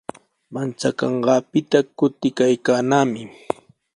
Manchakanqaapita kutikaykaanami.